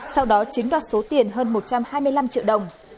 sau đó chiếm đoạt số tiền hơn một trăm hai mươi năm triệu đồng